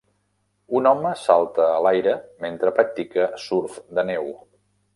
Un home salta a l'aire mentre practica surf de neu.